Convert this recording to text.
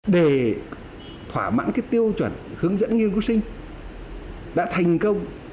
để thỏa mãn cái tiêu chuẩn hướng dẫn nghiên cứu sinh đã thành công